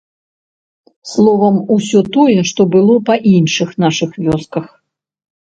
Словам, усё тое, што было па іншых нашых вёсках.